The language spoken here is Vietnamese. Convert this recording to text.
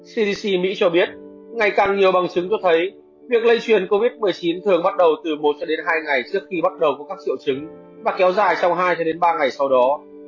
cdc mỹ cho biết ngày càng nhiều bằng chứng cho thấy việc lây truyền covid một mươi chín thường bắt đầu từ một hai ngày trước khi bắt đầu có các triệu chứng và kéo dài trong hai ba ngày sau đó